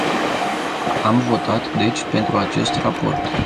Am votat, deci, pentru acest raport.